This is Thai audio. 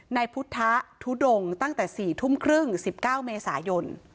ในพุทธทุดงตั้งแต่๔ทุ่มครึ่ง๑๙เมษายน